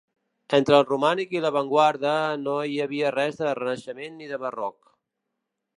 Entre el romànic i l'avantguarda no hi havia res de renaixement ni de barroc.